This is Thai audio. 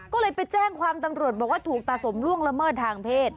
ก็เลยไปแจ้งความตำรวจบอกว่าถูกตาสมล่วงละเมิดทางเพศ